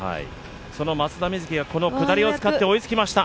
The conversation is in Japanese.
その松田瑞生がこの下りを使って追いつきました。